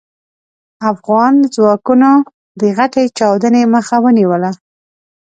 افغان ځواکونو د غټې چاودنې مخه ونيوله.